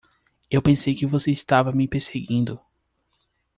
Eu pensei que você estava me perseguindo?